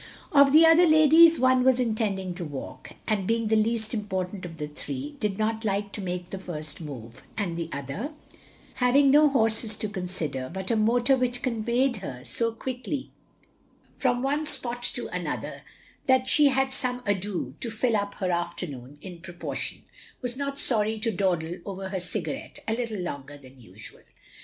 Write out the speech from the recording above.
Of the other ladies, one was intending to walk, and being the least important of the three, did not like to make the first move; and the other, having no horses to consider, but a motor which conveyed her so quickly from one spot to another that she had some ado to fill up her afternoon in proportion, was not sorry to dawdle over her cigar ette a little longer than usual.